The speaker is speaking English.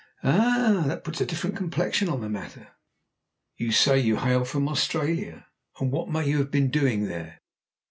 "Ah! That puts a different complexion on the matter. You say you hail from Australia? And what may you have been doing there?"